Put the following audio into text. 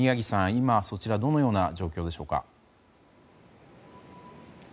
今どのような状況でしょうか？